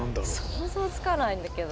想像つかないんだけど。